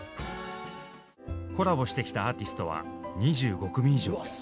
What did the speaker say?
コラボしてきたアーティストは２５組以上。